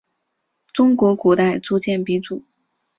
中国古代铸剑鼻祖。